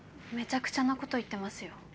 めちゃくちゃなこと言ってますよ。